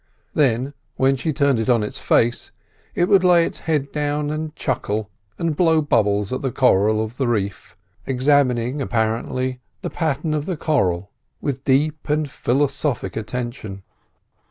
Then, when she turned it on its face, it would lay its head down and chuckle and blow bubbles at the coral of the reef, examining, apparently, the pattern of the coral with deep and philosophic attention.